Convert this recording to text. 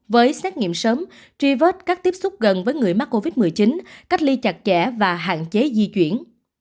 với xét nghiệm sớm truy vết các tiếp xúc gần với người mắc covid một mươi chín cách ly chặt chẽ và hạn chế di chuyển